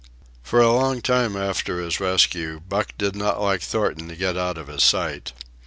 For a long time after his rescue, Buck did not like Thornton to get out of his sight.